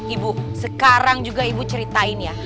ibu sekarang juga ibu ceritain ya